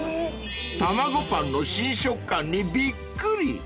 ［たまごパンの新食感にびっくり］